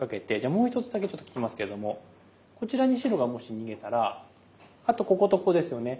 もう一つだけちょっと聞きますけどもこちらに白がもし逃げたらあとこことここですよね。